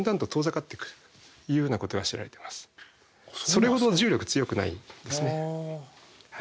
それほど重力強くないんですね。